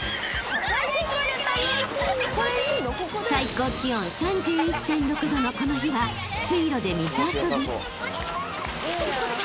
［最高気温３１．６℃のこの日は水路で水遊び］